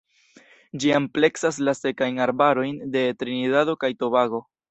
Ĝi ampleksas la Sekajn arbarojn de Trinidado kaj Tobago.